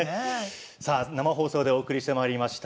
生放送でお送りしてまいりました